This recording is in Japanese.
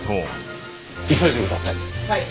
急いでください。